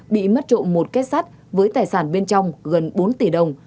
bị mất trộm một kết sắt với tài sản bên trong gần bốn tỷ đồng